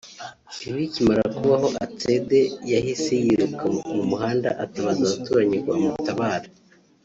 Ibi bikimara kumubaho Atsede yahise yiruka mu muhanda atabaza abaturanyi ngo bamutabare